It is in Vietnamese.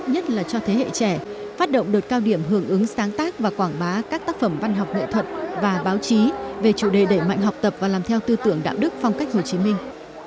nhất là cho thế hệ trẻ phát động đợt cao điểm hưởng ứng sáng tác và quảng bá các tác phẩm văn học nghệ thuật và báo chí về chủ đề đẩy mạnh học tập và làm theo tư tưởng đạo đức phong cách hồ chí minh